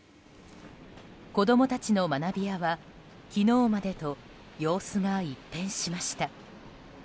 子供たちの学び舎は昨日までと様子が一変しました。